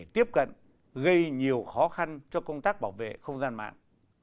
tiếp cận gây nhiều khó khăn cho công tác bảo vệ không gian mạng